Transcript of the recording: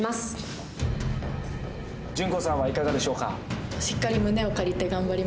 順子さんはいかがでしょうか？